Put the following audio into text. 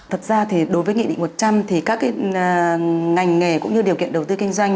thật ra đối với nghị định một trăm linh các ngành nghề cũng như điều kiện đầu tư kinh doanh